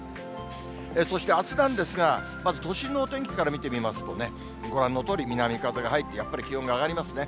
そしてあすなんですが、まず都心のお天気から見てみますとね、ご覧のとおり南風が入って、やっぱり気温が上がりますね。